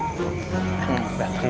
iya pak adek